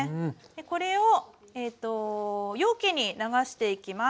これを容器に流していきます。